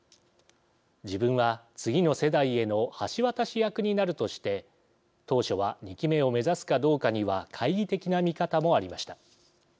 自分は次の世代への橋渡し役になるとして当初は２期目を目指すかどうかには懐疑的な見方もありました。